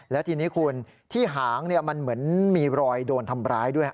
แล้วทีนี้คุณที่หางมันเหมือนมีรอยโดนทำร้ายด้วย